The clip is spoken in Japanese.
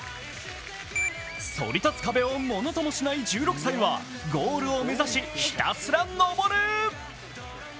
そり立つ壁をものともしない１６歳はゴールを目指しひたすら登る。